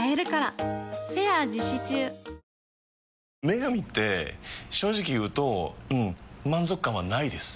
「麺神」って正直言うとうん満足感はないです。